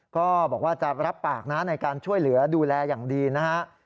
ก็บอกว่าจะรับปากนะในการช่วยเหลือดูแลอย่างดีนะฮะ